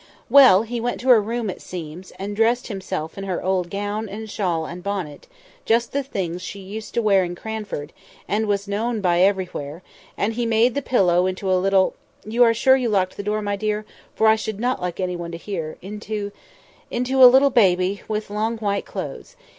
"Well! he went to her room, it seems, and dressed himself in her old gown, and shawl, and bonnet; just the things she used to wear in Cranford, and was known by everywhere; and he made the pillow into a little—you are sure you locked the door, my dear, for I should not like anyone to hear—into—into a little baby, with white long clothes.